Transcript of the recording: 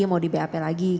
mau di bap lagi